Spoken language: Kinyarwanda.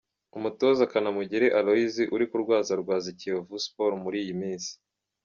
Umutoza Kanamugire Aloys uri kurwazarwaza Kiyovu Sports muri iyi minsi.